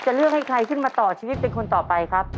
เลือกให้ใครขึ้นมาต่อชีวิตเป็นคนต่อไปครับ